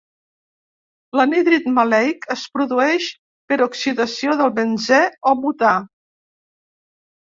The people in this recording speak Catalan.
L'anhídrid maleic es produeix per oxidació del benzè o butà.